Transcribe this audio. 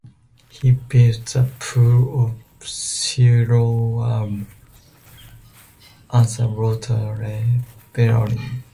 He built the Pool of Siloam as a water reservoir.